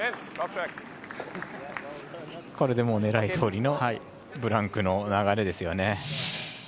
これで、もう狙いどおりのブランクの流れですよね。